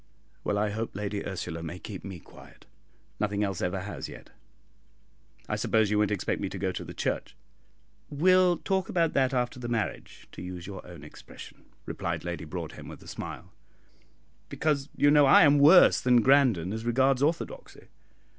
"Well, I hope Lady Ursula may keep me quiet; nothing else ever has yet. I suppose you won't expect me to go to church?" "We'll talk about that after the marriage, to use your own expression," replied Lady Broadhem, with a smile. "Because, you know, I am worse than Grandon as regards orthodoxy.